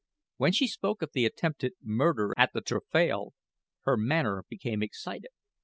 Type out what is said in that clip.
When she spoke of the attempted murder at the taffrail, her manner became excited.